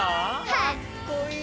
かっこいい！